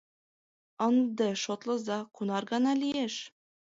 Ынде шотлыза, кунар гана лиеш?